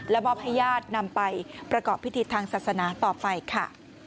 มอบให้ญาตินำไปประกอบพิธีทางศาสนาต่อไปค่ะ